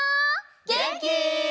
げんき？